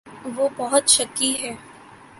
وہ بہت شکی ہے